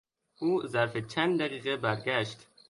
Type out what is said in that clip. او ظرف چند دقیقه برگشت.